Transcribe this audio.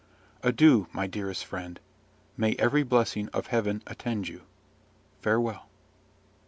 Adieu, my dearest friend. May every blessing of Heaven attend you! Farewell.